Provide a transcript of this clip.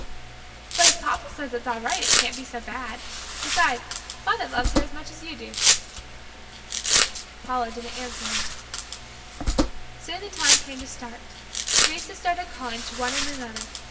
"But if papa says it is all right, it can't be so bad. Besides, father loves her as much as you do." Paula didn't answer me. Soon the time came to start. Teresa started calling to one and another.